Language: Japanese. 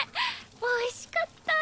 おいしかった！